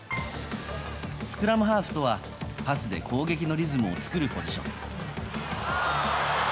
スクラムハーフとはパスで攻撃のリズムを作るポジション。